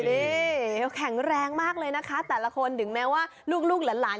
ดีแข็งแรงมากเลยนะค่ะแต่ละคนถึงแม้ว่าลูกหรือหลาน